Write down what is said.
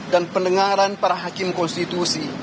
dan pendengaran para hakim konstitusi